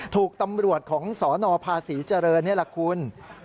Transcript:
ถูกตำรวจของสนภาษีเจริญนี่แหละคุณ